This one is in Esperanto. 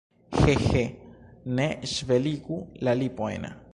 He, he, ne ŝveligu la lipojn!